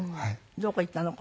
どこ行ったの？